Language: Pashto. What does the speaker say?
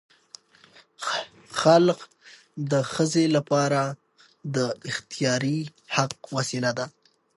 خلع د ښځې لپاره د اختیاري حق وسیله ده.